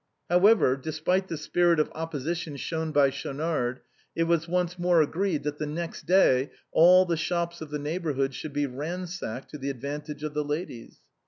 However, despite the spirit of opposition shown by Schaunard, it was once more agreed that the next day all the shops of the neighborhood should be ransacked to the advantage of the ladies.